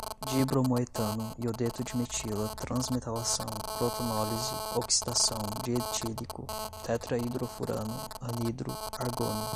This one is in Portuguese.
dibromoetano, iodeto de metila, transmetalação, protonólise, oxidação, dietílico, tetraidrofurano, anidro, argônio